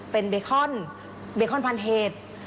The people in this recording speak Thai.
เป็นเบคอนเบคอนพันเฮด